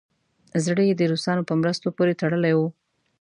زړه یې د روسانو په مرستو پورې تړلی وو.